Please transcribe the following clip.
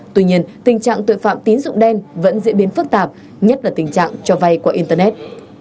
tuy nhiên tình trạng tội phạm tín dụng đen vẫn diễn biến phức tạp nhất là tình trạng cho vay qua internet